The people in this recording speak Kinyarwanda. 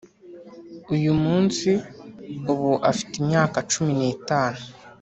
uyu munsi, ubu afite imyaka cumi n'itatu ...